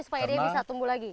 supaya dia bisa tumbuh lagi